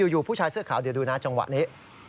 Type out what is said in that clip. อยู่ผู้ชายเสื้อขาวเดี๋ยวดูนะจังหวะนี้